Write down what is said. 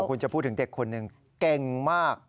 คุณจะพูดถึงเด็กคนหนึ่งเก่งมาก